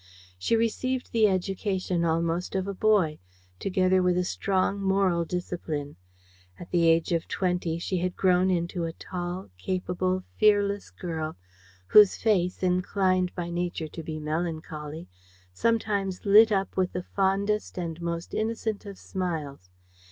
She received the education almost of a boy, together with a strong moral discipline. At the age of twenty, she had grown into a tall, capable, fearless girl, whose face, inclined by nature to be melancholy, sometimes lit up with the fondest and most innocent of smiles.